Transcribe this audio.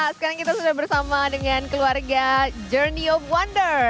sekarang kita sudah bersama dengan keluarga journey of wonder